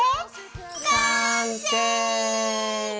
完成！